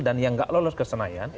dan yang nggak lolos ke senayan